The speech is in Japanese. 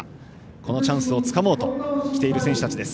このチャンスをつかもうとしている選手たちです。